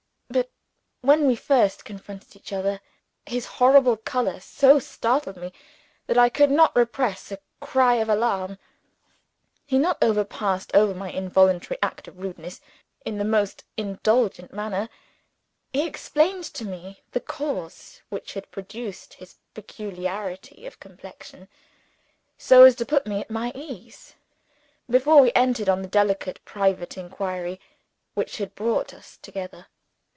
But when we first confronted each other, his horrible color so startled me, that I could not repress a cry of alarm. He not only passed over my involuntary act of rudeness in the most indulgent manner he explained to me the cause which had produced his peculiarity of complexion; so as to put me at my ease before we entered on the delicate private inquiry which had brought us together.